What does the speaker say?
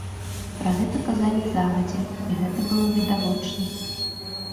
Пра гэта казалі загадзя і гэта было відавочна.